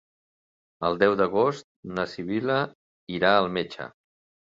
El deu d'agost na Sibil·la irà al metge.